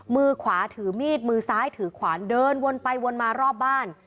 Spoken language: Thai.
มือขวาถือมีดมือซ้ายถือขวานเดินวนไปวนมารอบบ้าน